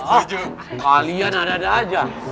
oh kalian ada ada aja